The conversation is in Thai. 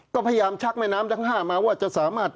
ก็พยายามชักแม่น้ำทั้ง๕มาว่าจะสามารถ